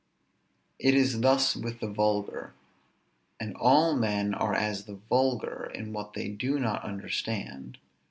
It is thus with the vulgar; and all men are as the vulgar in what they do not understand.